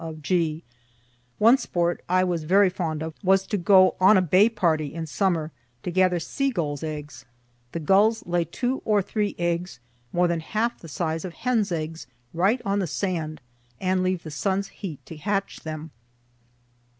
of G. One sport I was very fond of was to go on a bay party in summer to gather sea gull's eggs. (The gulls lay two or three eggs, more than half the size of hen's eggs, right on the sand, and leave the sun's heat to hatch them.)